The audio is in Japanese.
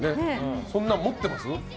そんなの持ってます？